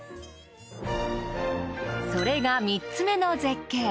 それが３つ目の絶景。